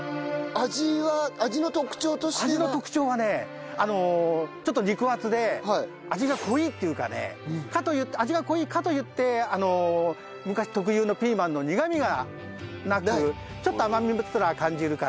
味の特徴はねちょっと肉厚で味が濃いっていうかねかといって味が濃いかといって昔特有のピーマンの苦みがなくちょっと甘みすら感じるかなという。